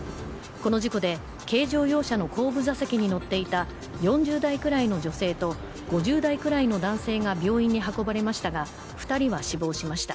この事故で軽乗用車の後部座席に乗っていた４０代くらいの女性と５０代くらいの男性が病院に運ばれましたが、２人は死亡しました。